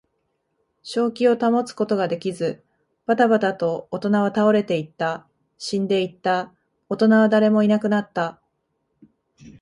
正気を保つことができず、ばたばたと大人は倒れていった。死んでいった。大人は誰もいなくなった。